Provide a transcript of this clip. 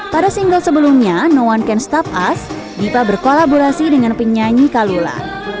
pada single sebelumnya no one cance stop us dipa berkolaborasi dengan penyanyi kalula